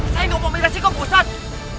saya gak mau melihat sikap pak ustadz